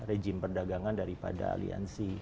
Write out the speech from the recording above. rejim perdagangan daripada aliansi